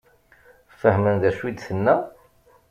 Fehmen d acu i d-tenna?